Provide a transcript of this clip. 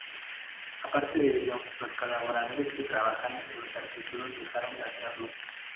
Aparte de ello, los colaboradores que trabajaban en los artículos dejaron de hacerlo.